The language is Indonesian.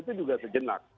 itu juga sejenak